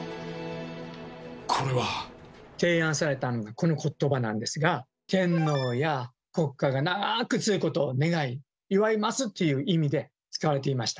これは。提案されたのがこのことばなんですが「天皇や国家が長く続くことを願い祝います」っていう意味で使われていました。